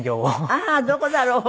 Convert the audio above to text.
ああーどこだろう？